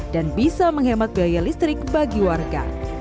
dan bisa menghemat biaya listrik